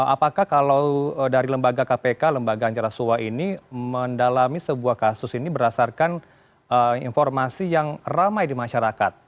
apakah kalau dari lembaga kpk lembaga antirasua ini mendalami sebuah kasus ini berdasarkan informasi yang ramai di masyarakat